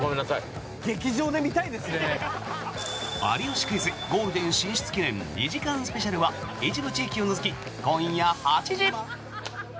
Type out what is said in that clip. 「有吉クイズ」ゴールデン進出記念２時間スペシャルは一部地域を除き、今夜８時。